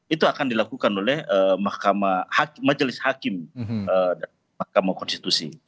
itu akan dilakukan oleh majelis hakim mahkamah konstitusi